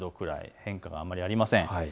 変化があまりありません。